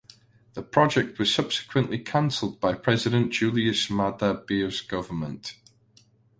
The project was subsequently cancelled by President Julius Maada Bios government.